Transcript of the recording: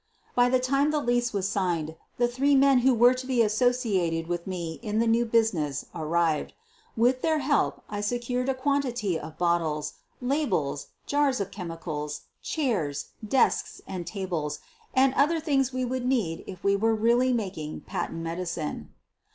By the time the lease was signed the three men who were to be associated with me in the new busi ness arrived. With their help I secured a quantity of bottles, labels, jars of chemicals, chairs, desks, tables, and other things we would need if we were really making patent medicine.